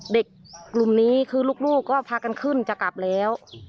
เด็กกลุ่มนี้คือลูกก็พากันขึ้นจะกลับแล้ว